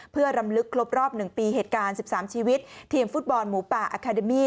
เพื่อรำลึกครบรอบ๑ปีเหตุการณ์๑๓ชีวิตทีมฟุตบอลหมูป่าอาคาเดมี่